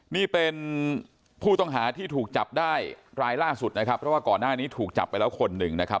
นี่เป็นผู้ต้องหาที่ถูกจับได้รายล่าสุดนะครับเพราะว่าก่อนหน้านี้ถูกจับไปแล้วคนหนึ่งนะครับ